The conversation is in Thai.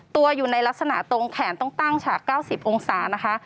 ตัวอยู่ในลักษณะตรงแขนต้องตั้งฉาก๙๐องศานะคะ